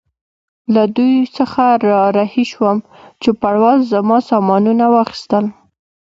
له دوی څخه را رهي شوم، چوپړوال زما سامانونه واخیستل.